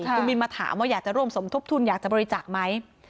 คุณมินมาถามว่าอยากจะร่วมสมทบทุนอยากจะบริจาคไหม